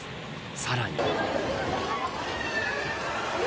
さらに。